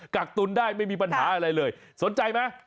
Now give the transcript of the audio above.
กักตุนได้ไม่มีปัญหาอะไรเลยสนใจไหม